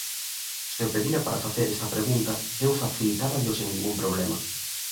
Se o pedira para facer esta pregunta, eu facilitáballo sen ningún problema.